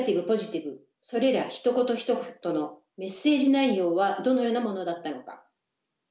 ポジティブそれらひと言ひと言のメッセージ内容はどのようなものだったのか？